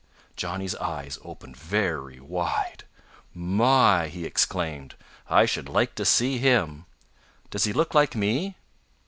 Johnny's eyes opened very wide. "My!" he exclaimed, "I should like to see him. Does he look like me?"